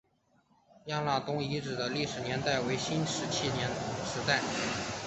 亚拉东遗址的历史年代为新石器时代。